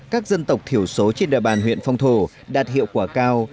các dân tộc thiểu số trên địa bàn huyện phong thổ đạt hiệu quả cao